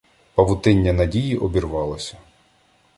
Павутиння надії обірвалося.